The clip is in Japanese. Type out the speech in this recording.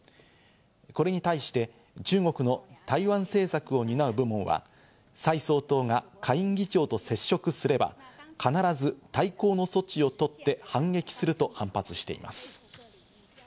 これに対して、中国の台湾政策を担う部門は、サイ総統が下院議長と接触すれば、必ず対抗の措置を取って、反撃すると反発しています。